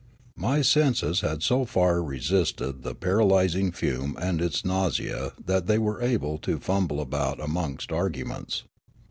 M}' senses had so far resisted the paralysing fume aiid its nausea that they were able to fumble about amongst arguments.